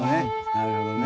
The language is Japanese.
なるほどね。